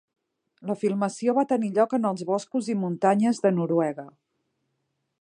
La filmació va tenir lloc en els boscos i muntanyes de Noruega.